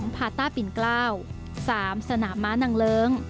พาต้าปิ่นเกล้า๓สนามม้านางเลิ้ง